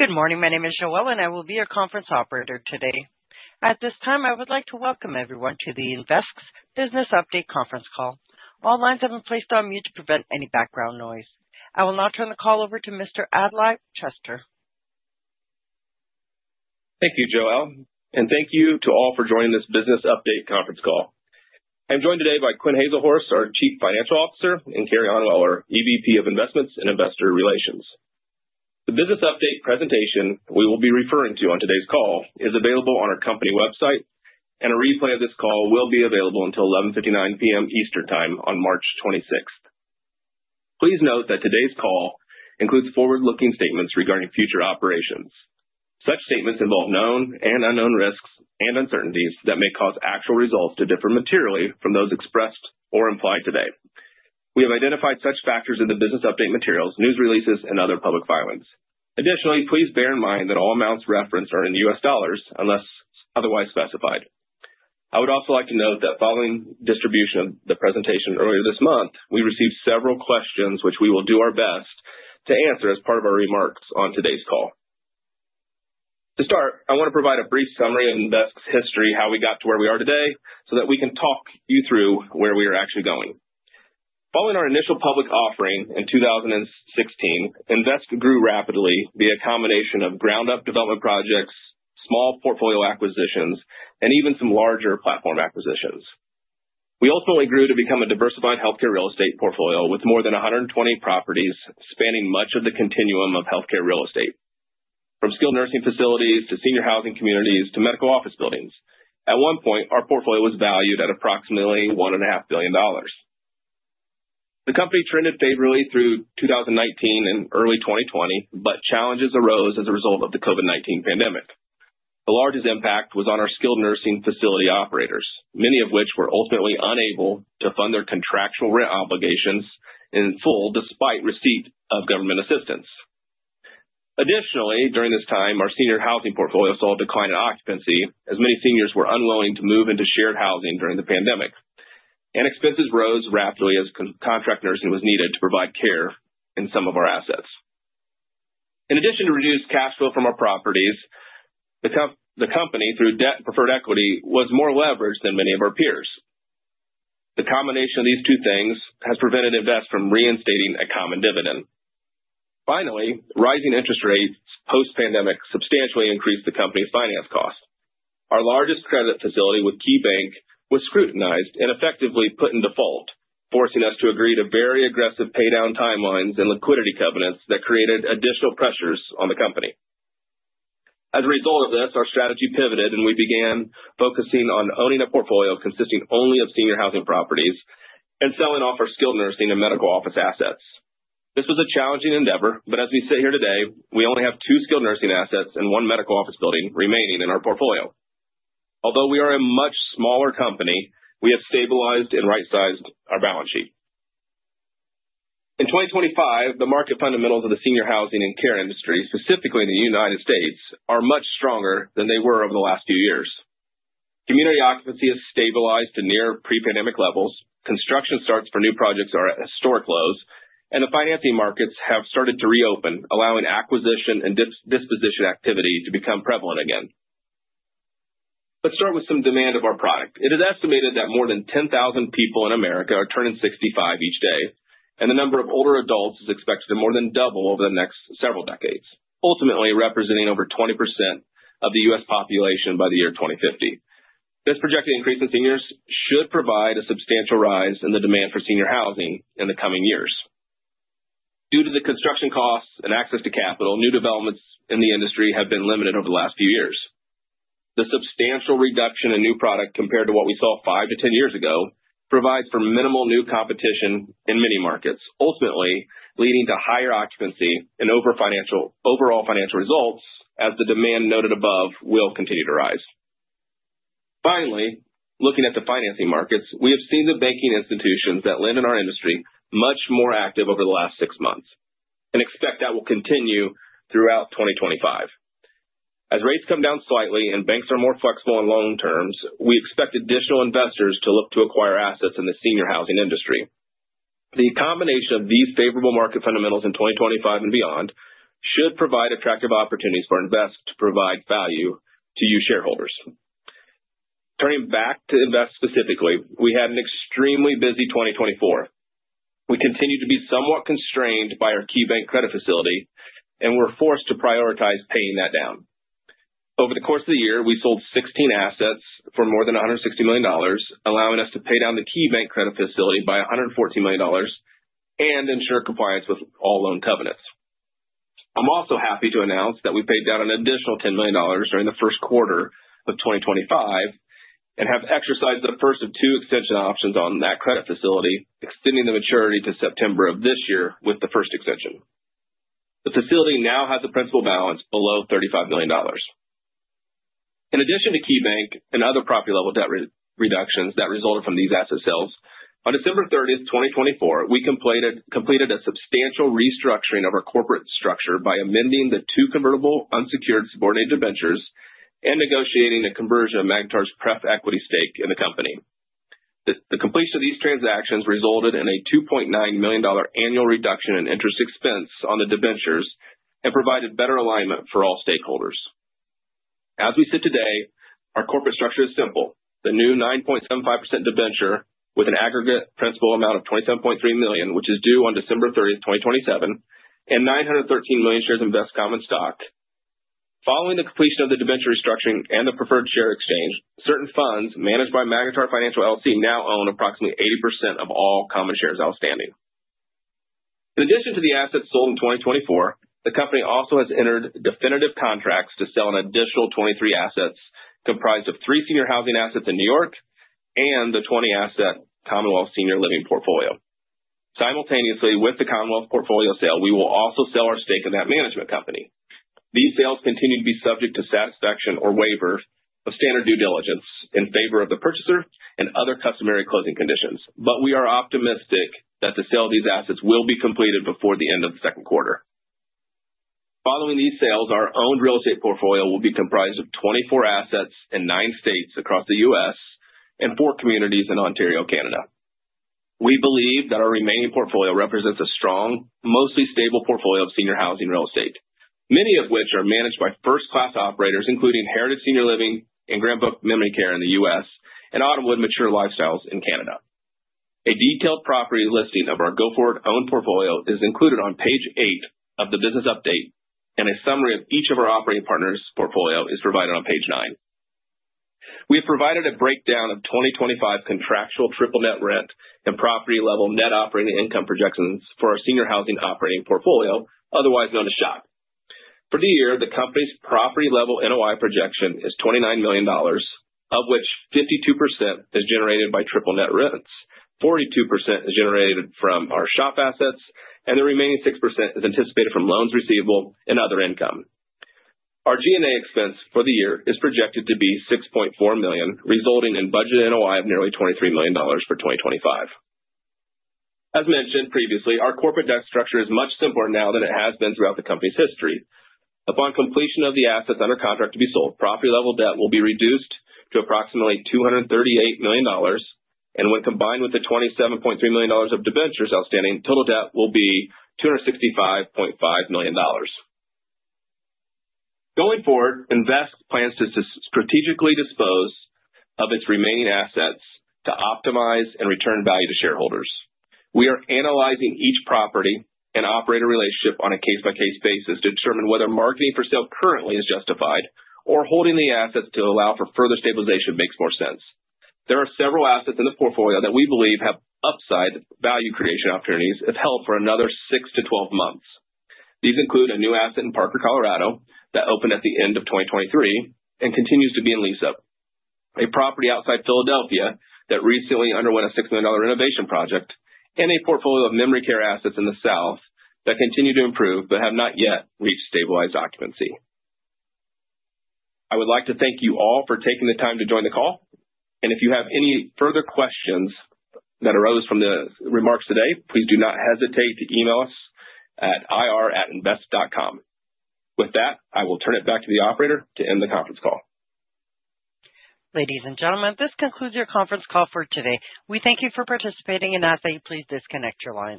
Good morning. My name is Joelle, and I will be your conference operator today. At this time, I would like to welcome everyone to the Invesque Business Update conference call. All lines have been placed on mute to prevent any background noise. I will now turn the call over to Mr. Adlai Chester. Thank you, Joelle, and thank you to all for joining this Business Update conference call. I'm joined today by Quinn Haselhorst, our Chief Financial Officer, and Kari Onweller, EVP of Investments and Investor Relations. The Business Update presentation we will be referring to on today's call is available on our company website, and a replay of this call will be available until 11:59 P.M. Eastern Time on March 26th. Please note that today's call includes forward-looking statements regarding future operations. Such statements involve known and unknown risks and uncertainties that may cause actual results to differ materially from those expressed or implied today. We have identified such factors in the Business Update materials, news releases, and other public filings. Additionally, please bear in mind that all amounts referenced are in U.S. dollars unless otherwise specified. I would also like to note that following distribution of the presentation earlier this month, we received several questions which we will do our best to answer as part of our remarks on today's call. To start, I want to provide a brief summary of Invesque's history, how we got to where we are today, so that we can talk you through where we are actually going. Following our initial public offering in 2016, Invesque grew rapidly via a combination of ground-up development projects, small portfolio acquisitions, and even some larger platform acquisitions. We ultimately grew to become a diversified healthcare real estate portfolio with more than 120 properties spanning much of the continuum of healthcare real estate, from skilled nursing facilities to senior housing communities to medical office buildings. At one point, our portfolio was valued at approximately $1.5 billion. The company trended favorably through 2019 and early 2020, but challenges arose as a result of the COVID-19 pandemic. The largest impact was on our skilled nursing facility operators, many of which were ultimately unable to fund their contractual rent obligations in full despite receipt of government assistance. Additionally, during this time, our senior housing portfolio saw a decline in occupancy as many seniors were unwilling to move into shared housing during the pandemic, and expenses rose rapidly as contract nursing was needed to provide care in some of our assets. In addition to reduced cash flow from our properties, the company, through debt and preferred equity, was more leveraged than many of our peers. The combination of these two things has prevented Invesque from reinstating a common dividend. Finally, rising interest rates post-pandemic substantially increased the company's finance costs. Our largest credit facility with KeyBank was scrutinized and effectively put in default, forcing us to agree to very aggressive paydown timelines and liquidity covenants that created additional pressures on the company. As a result of this, our strategy pivoted, and we began focusing on owning a portfolio consisting only of senior housing properties and selling off our skilled nursing and medical office assets. This was a challenging endeavor, but as we sit here today, we only have two skilled nursing assets and one medical office building remaining in our portfolio. Although we are a much smaller company, we have stabilized and right-sized our balance sheet. In 2025, the market fundamentals of the senior housing and care industry, specifically in the U.S., are much stronger than they were over the last few years. Community occupancy has stabilized to near pre-pandemic levels, construction starts for new projects are at historic lows, and the financing markets have started to reopen, allowing acquisition and disposition activity to become prevalent again. Let's start with some demand of our product. It is estimated that more than 10,000 people in America are turning 65 each day, and the number of older adults is expected to more than double over the next several decades, ultimately representing over 20% of the U.S. population by the year 2050. This projected increase in seniors should provide a substantial rise in the demand for senior housing in the coming years. Due to the construction costs and access to capital, new developments in the industry have been limited over the last few years. The substantial reduction in new product compared to what we saw five to ten years ago provides for minimal new competition in many markets, ultimately leading to higher occupancy and overall financial results as the demand noted above will continue to rise. Finally, looking at the financing markets, we have seen the banking institutions that lend in our industry much more active over the last six months and expect that will continue throughout 2025. As rates come down slightly and banks are more flexible on loan terms, we expect additional investors to look to acquire assets in the senior housing industry. The combination of these favorable market fundamentals in 2025 and beyond should provide attractive opportunities for Invesque to provide value to you shareholders. Turning back to Invesque specifically, we had an extremely busy 2024. We continued to be somewhat constrained by our KeyBank credit facility, and we were forced to prioritize paying that down. Over the course of the year, we sold 16 assets for more than $160 million, allowing us to pay down the KeyBank credit facility by $114 million and ensure compliance with all loan covenants. I'm also happy to announce that we paid down an additional $10 million during the first quarter of 2025 and have exercised the first of two extension options on that credit facility, extending the maturity to September of this year with the first extension. The facility now has a principal balance below $35 million. In addition to KeyBank and other property-level debt reductions that resulted from these asset sales, on December 30, 2024, we completed a substantial restructuring of our corporate structure by amending the two convertible unsecured subordinated debentures and negotiating a conversion of Magnetar's pref equity stake in the company. The completion of these transactions resulted in a $2.9 million annual reduction in interest expense on the debentures and provided better alignment for all stakeholders. As we sit today, our corporate structure is simple. The new 9.75% debenture with an aggregate principal amount of $27.3 million, which is due on December 30, 2027, and 913 million shares of Invesque common stock. Following the completion of the debenture restructuring and the preferred share exchange, certain funds managed by Magnetar Financial LLC now own approximately 80% of all common shares outstanding. In addition to the assets sold in 2024, the company also has entered definitive contracts to sell an additional 23 assets comprised of three senior housing assets in New York and the 20-asset Commonwealth Senior Living portfolio. Simultaneously with the Commonwealth portfolio sale, we will also sell our stake in that management company. These sales continue to be subject to satisfaction or waiver of standard due diligence in favor of the purchaser and other customary closing conditions, but we are optimistic that the sale of these assets will be completed before the end of the second quarter. Following these sales, our owned real estate portfolio will be comprised of 24 assets in nine states across the U.S. and four communities in Ontario, Canada. We believe that our remaining portfolio represents a strong, mostly stable portfolio of senior housing real estate, many of which are managed by first-class operators, including Heritage Senior Living Grand Brook Memory Care in the U.S. and Autumnwood Mature Lifestyles in Canada. A detailed property listing of our go-forward portfolio is included on page 8 of the Business Update, and a summary of each of our operating partners' portfolio is provided on page 9. We have provided a breakdown of 2025 contractual triple-net rent and property-level net operating income projections for our senior housing operating portfolio, otherwise known as SHOP. For the year, the company's property-level NOI projection is $29 million, of which 52% is generated by triple-net rents, 42% is generated from our SHOP assets, and the remaining 6% is anticipated from loans receivable and other income. Our G&A expense for the year is projected to be $6.4 million, resulting in budget NOI of nearly $23 million for 2025. As mentioned previously, our corporate debt structure is much simpler now than it has been throughout the company's history. Upon completion of the assets under contract to be sold, property-level debt will be reduced to approximately $238 million, and when combined with the $27.3 million of debentures outstanding, total debt will be $265.5 million. Going forward, Invesque plans to strategically dispose of its remaining assets to optimize and return value to shareholders. We are analyzing each property and operator relationship on a case-by-case basis to determine whether marketing for sale currently is justified or holding the assets to allow for further stabilization makes more sense. There are several assets in the portfolio that we believe have upside value creation opportunities if held for another 6 to 12 months. These include a new asset in Parker, Colorado, that opened at the end of 2023 and continues to be in lease-up, a property outside Philadelphia that recently underwent a $6 million renovation project, and a portfolio of memory care assets in the South that continue to improve but have not yet reached stabilized occupancy. I would like to thank you all for taking the time to join the call, and if you have any further questions that arose from the remarks today, please do not hesitate to email us at ir@invesque.com. With that, I will turn it back to the operator to end the conference call. Ladies and gentlemen, this concludes your conference call for today. We thank you for participating and ask that you please disconnect your lines.